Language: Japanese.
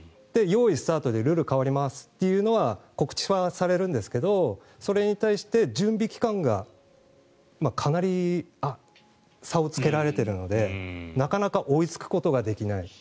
よーい、スタートでルール変わりますっていうのは告知はされるんですがそれに対して準備期間がかなり差をつけられているのでなかなか追いつくことができない。